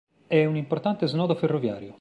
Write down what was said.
È un importante snodo ferroviario.